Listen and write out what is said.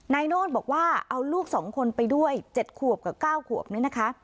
โนธบอกว่าเอาลูก๒คนไปด้วย๗ขวบกับ๙ขวบนี่นะคะ